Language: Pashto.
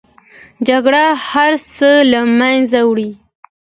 جګړه هر څه له منځه وړي